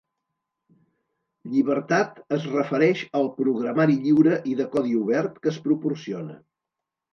"Llibertat" es refereix al programari lliure i de codi obert que es proporciona.